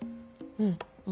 うん。